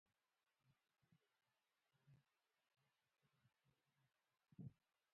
زردالو د افغانستان د اوږدمهاله پایښت لپاره مهم رول لري.